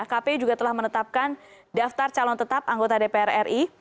kpu juga telah menetapkan daftar calon tetap anggota dpr ri